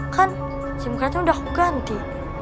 kan sim kartu udah aku ganti